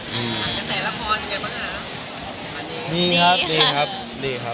หาหากันแต่ละครอยากมาหา